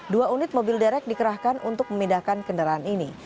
dua unit mobil derek dikerahkan untuk memindahkan kendaraan ini